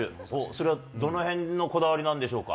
それはどのへんのこだわりなんでしょうか。